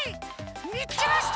みつけました！